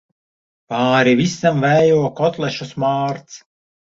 Pāri visam vējo kotlešu smārds.